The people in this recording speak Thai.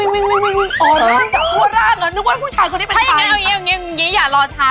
นึกว่าผู้ชายเค้าเนี่ยละ